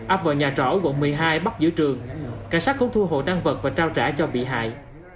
ấp vào nhà trọ quận một mươi hai bắc giữa trường cảnh sát cũng thu hộ tăng vật và trao trả cho bị hại